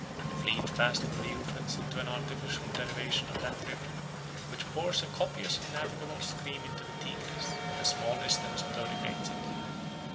The fleet passed from the Euphrates into an artificial derivation of that river, which pours a copious and navigable stream into the Tigris, at a small distance below the great city.